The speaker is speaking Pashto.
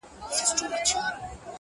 نو شاعري څه كوي؛